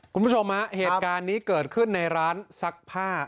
คุณผู้ชมฮะเหตุการณ์นี้เกิดขึ้นในร้านซักผ้า